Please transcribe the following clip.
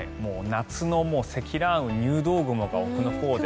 夏の積乱雲、入道雲が奥のほうで。